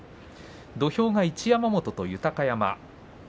土俵が一山本と豊山です。